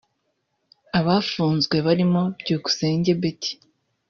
Abafunzwe barimo Byukusenge Betty